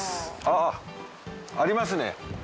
あぁありますね。